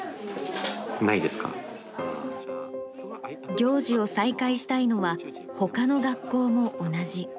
行事を再開したいのは、ほかの学校も同じ。